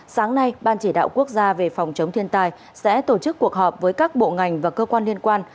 sáng nay ban chỉ đạo quốc gia về phòng chống thiên tai sẽ tổ chức cuộc họp với các bộ ngành và cơ quan liên quan